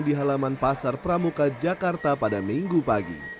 di halaman pasar pramuka jakarta pada minggu pagi